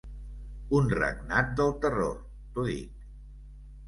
Un regnat del terror, t'ho dic.